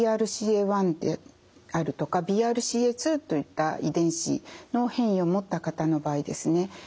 ＢＲＣＡ１であるとかＢＲＣＡ２といった遺伝子の変異を持った方の場合ですね